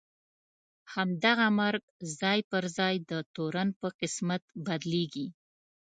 همدغه مرګ ځای پر ځای د تورن په قسمت بدلېږي.